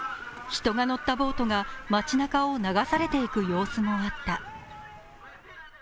人が乗ったボートが街なかを流されていく様子もあった。